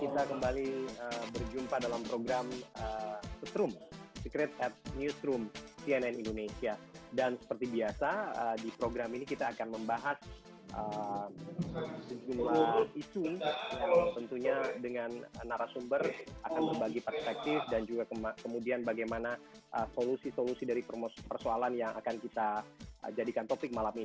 dengan narasumber akan berbagi perspektif dan juga kemudian bagaimana solusi solusi dari persoalan yang akan kita jadikan topik malam ini